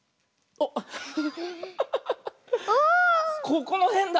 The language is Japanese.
ここのへんだ。